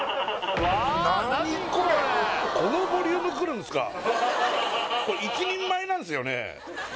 何これこのボリュームくるんすか一人前なんですよね！？